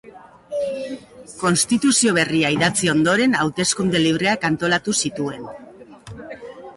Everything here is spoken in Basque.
Konstituzio berria idatzi ondoren, hauteskunde libreak antolatu zituen.